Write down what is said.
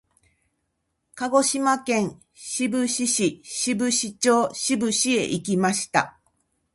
鹿児島県志布志市志布志町志布志へ行きました。